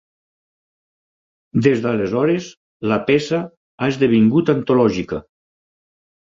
Des d'aleshores la peça ha esdevingut antològica.